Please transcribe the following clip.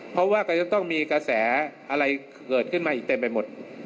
เพราะว่าก็จะต้องมีกระแสอะไรเกิดขึ้นมาอีกเต็มไปหมด